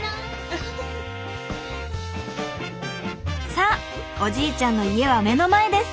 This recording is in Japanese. さあおじいちゃんの家は目の前です。